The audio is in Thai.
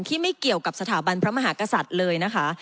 ไม่เกี่ยวกับสถาบันพระมหากษัตริย์เลยนะคะ